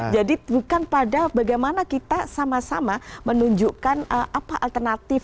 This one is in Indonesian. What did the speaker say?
jadi bukan pada bagaimana kita sama sama menunjukkan alternatif